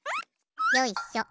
よいしょ。